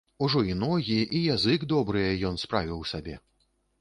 Ужо і ногі, і язык добрыя ён справіў сабе.